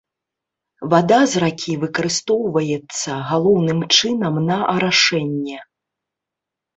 Вада з ракі выкарыстоўваецца галоўным чынам на арашэнне.